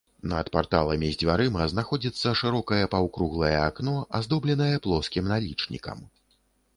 Над парталамі з дзвярыма знаходзіцца шырокае паўкруглае акно, аздобленае плоскім налічнікам.